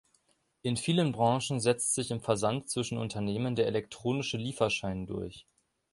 In vielen Branchen setzt sich im Versand zwischen Unternehmen der "elektronische Lieferschein" durch.